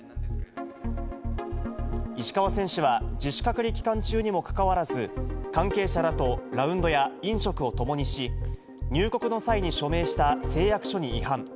石川選手は、自主隔離期間中にもかかわらず、関係者らとラウンドや飲食を共にし、入国の際に署名した誓約書に違反。